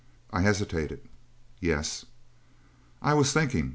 I hesitated. "Yes." "I was thinking...."